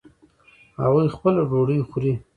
هغوی خپله ډوډۍ خوري